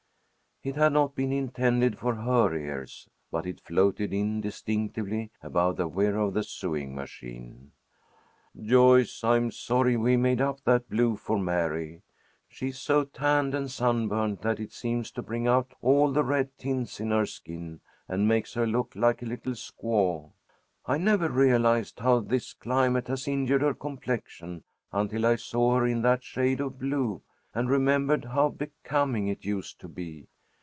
It had not been intended for her ears, but it floated in distinctly, above the whirr of the sewing machine. "Joyce, I am sorry we made up that blue for Mary. She's so tanned and sunburned that it seems to bring out all the red tints in her skin, and makes her look like a little squaw. I never realized how this climate has injured her complexion until I saw her in that shade of blue, and remembered how becoming it used to be.